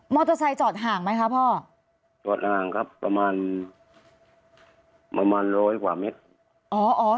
เตอร์ไซค์จอดห่างไหมคะพ่อจอดห่างครับประมาณประมาณร้อยกว่าเมตรอ๋ออ๋อ